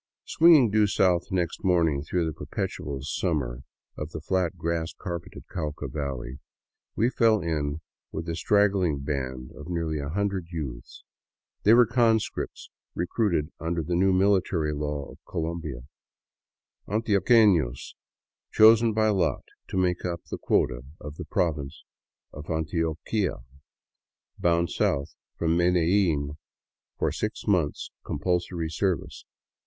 Swinging due south next morning through the perpetual summer of the flat, grass carpeted Cauca valley, we fell in with a straggling band of nearly a hundred youths. They were conscripts recruited under the new military law of Colombia, antioqueilos chosen by lot to make up the quota of the Province of Antioquia, bound south from Medellin for six months compulsory service.